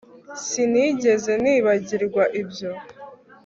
Sinigeze nibagirwa ibyo